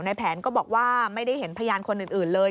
แผนก็บอกว่าไม่ได้เห็นพยานคนอื่นเลย